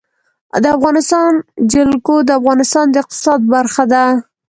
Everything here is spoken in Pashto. د افغانستان جلکو د افغانستان د اقتصاد برخه ده.